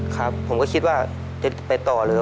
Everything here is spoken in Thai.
ครับผมก็คิดว่าจะไปต่อเลย